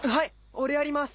俺やります！